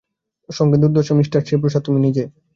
সঙ্গে দুর্ধষ্য Mr Stavros আর তুমি নিজে।